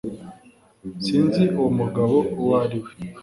sinzi uwo mugabo uwo ari we